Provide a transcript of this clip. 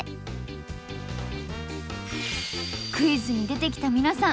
クイズに出てきた皆さん